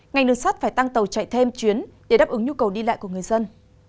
ngành đường sắt phải tăng tàu chạy thêm chuyến để đáp ứng nhu cầu đi lại của người dân